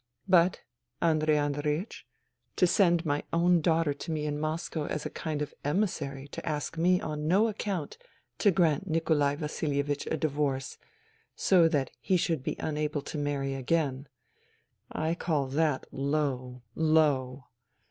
" But, Andrei Andreiech, to send my own daughter to me to Moscow as a kind of emissary to ask me on no account to grant Nikolai Vasilievich a divorce, so that he should be unable to marry again — I call that low, low.